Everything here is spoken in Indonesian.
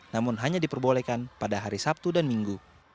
namun hanya diperbolehkan pada hari sabtu dan minggu